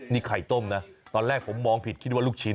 นี่ไข่ต้มนะตอนแรกผมมองผิดคิดว่าลูกชิ้น